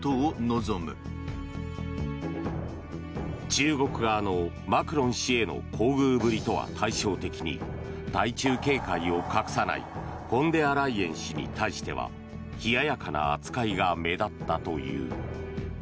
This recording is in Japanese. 中国側のマクロン氏への厚遇ぶりとは対照的に対中警戒を隠さないフォンデアライエン氏に対しては冷ややかな扱いが目立ったという。